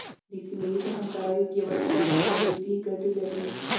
د سیمه ییزو همکاریو پیاوړتیا ترانزیټي ګټې لري.